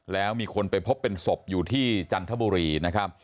แล้วมีคนไปพบเป็นศพอยู่ที่จันทบุรีนะครับ